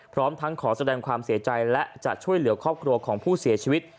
พร้อมทั้งขอแสดงความเสียใจและจะช่วยเหลือครอบครัวของผู้เสียชีวิต